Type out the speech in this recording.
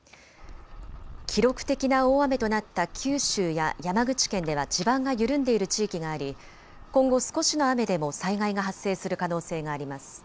記録的な大雨となった九州や山口県では地盤が緩んでいる地域があり今後、少しの雨でも災害が発生する可能性があります。